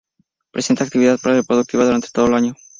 Presenta actividad reproductiva durante todo el año.